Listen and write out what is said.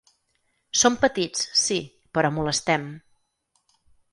Som petits, sí, però molestem.